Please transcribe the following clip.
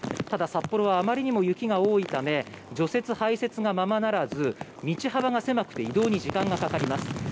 ただ札幌はあまりにも雪が多いため、除雪・排雪がままならず、道幅が狭くて移動に時間がかかります。